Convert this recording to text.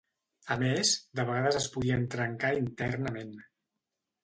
A més, de vegades es podien trencar internament.